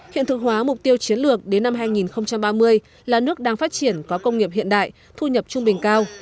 hiện thực hóa mục tiêu chiến lược đến năm hai nghìn ba mươi là nước đang phát triển có công nghiệp hiện đại thu nhập trung bình cao